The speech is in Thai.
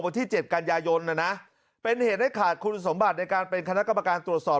สถานที่เจ็ดกัญญาโยนเป็นเหตุขาดคุณสมบัติในการเป็นคำนักกรรมการตรวจสอบ